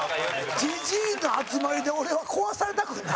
ジジイの集まりで俺は壊されたくない。